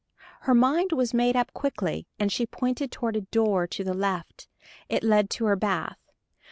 Her mind was made up quickly, and she pointed toward a door to the left it led to her bath.